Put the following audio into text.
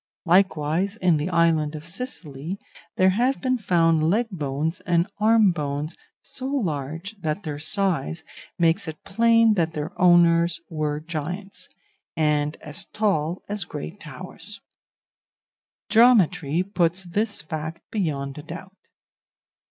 Likewise, in the island of Sicily, there have been found leg bones and arm bones so large that their size makes it plain that their owners were giants, and as tall as great towers; geometry puts this fact beyond a doubt.